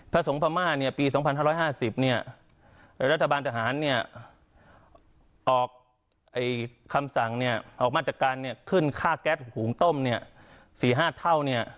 พระสงค์พม่าปี๒๕๕๐รัฐบาลทหารออกคำสั่งออกมาจากการขึ้นค่าแก๊สหูงต้ม๔๕เท่า